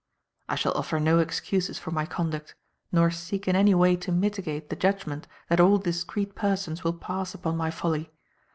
I shall offer no excuses for my conduct nor seek in any way to mitigate the judgment that all discreet persons will pass upon my folly.